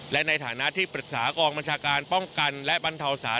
และในฐานะที่ปรึกษากองบัญชาการป้องกันและบรรเทาศาส